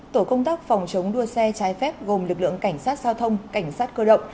tổ công tác phòng chống đua xe trái phép gồm lực lượng cảnh sát giao thông cảnh sát cơ động